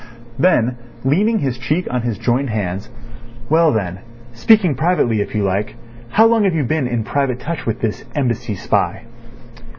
Then leaning his cheek on his joined hands: "Well then—speaking privately if you like—how long have you been in private touch with this Embassy spy?"